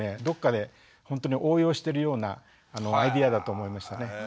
どっかでほんとに応用してるようなアイデアだと思いましたね。